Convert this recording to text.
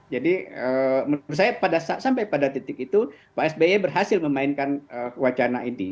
menurut saya sampai pada titik itu pak sby berhasil memainkan wacana ini